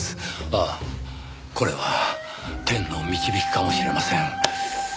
ああこれは天の導きかもしれません。